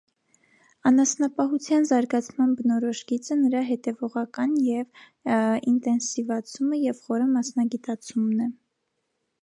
Անասնապահության զարգացման բնորոշ գիծը նրա հետևողակաև ինտենսիվացումը և խորը մասնագիտացումն է։